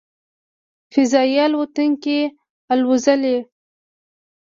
"فضايي الوتکې" الوځولې.